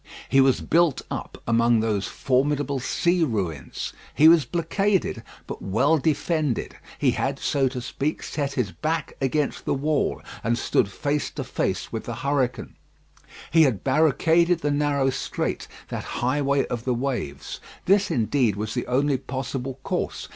He was built up among those formidable sea ruins. He was blockaded, but well defended. He had, so to speak, set his back against the wall, and stood face to face with the hurricane. He had barricaded the narrow strait, that highway of the waves. This, indeed, was the only possible course.